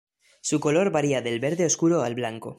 Su color varía del verde oscuro al blanco.